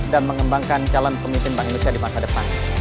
dan mengembangkan calon pemimpin bank indonesia di masa depan